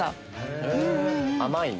甘い？